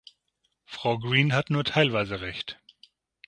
Frau Green hat nur teilweise recht.